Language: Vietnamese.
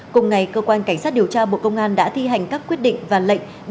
cùng ngày cơ quan cảnh sát điều tra bộ công an đã thi hành các quyết định và lệnh